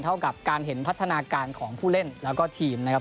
เท่ากับการเห็นพัฒนาการของผู้เล่นแล้วก็ทีมนะครับ